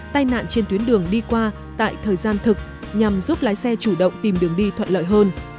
tai nạn trên tuyến đường đi qua tại thời gian thực nhằm giúp lái xe chủ động tìm đường đi thuận lợi hơn